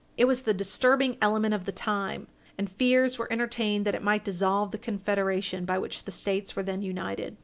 It was the disturbing element of the time, and fears were entertained that it might dissolve the Confederation by which the States were then united.